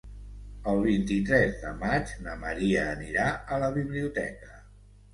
El vint-i-tres de maig na Maria anirà a la biblioteca.